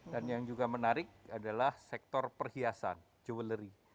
dan yang juga menarik adalah sektor perhiasan jewelry